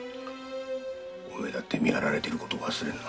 お前だって見張られてることを忘れるな。